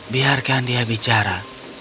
biarkan dia bicara